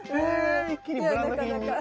一気にブランド品に。